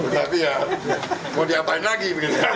tapi ya mau diapain lagi